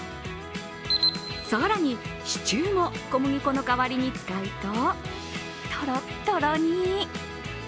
更に、シチューも小麦粉の代わりに使うと、とろっとろに。